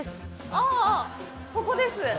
ああ、ここです。